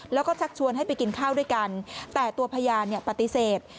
แล้วก็ชักชวนให้ไปกินข้าวด้วยกันแต่ตัวพยานปฏิเสธ